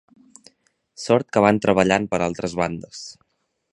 Sort que van treballant per altres bandes.